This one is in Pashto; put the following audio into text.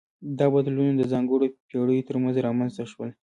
دا بدلونونه د ځانګړو پیړیو ترمنځ رامنځته شول.